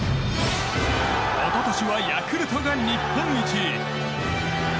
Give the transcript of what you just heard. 一昨年はヤクルトが日本一！